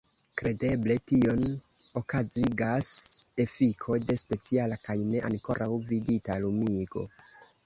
Kredeble tion okazigas efiko de speciala kaj ne ankoraŭ vidita lumigo.